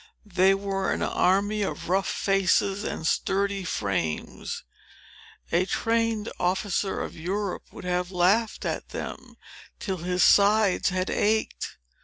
They were an army of rough faces and sturdy frames. A trained officer of Europe would have laughed at them, till his sides had ached.